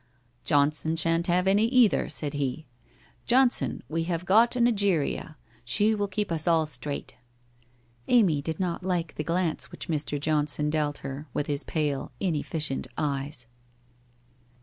' Johnson shan't have any, either !' said he. ' Johnson, we have got an Egeria — she will keep us all straight.' Amy did not like the glance which Mr. Johnson dealt her from his pale, inefficient eyes.